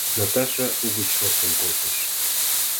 Наташа угыч шортын колтыш.